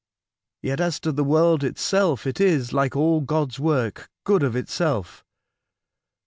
Yet, as to the world itself, it is, like all God's work, good of itself.